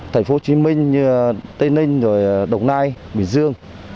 thành phố hồ chí minh tây ninh đồng nai bình dương